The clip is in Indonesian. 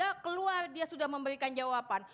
ketika keluar dia sudah memberikan jawaban